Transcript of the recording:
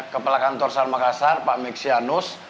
kepala kantor sal makassar pak meksianus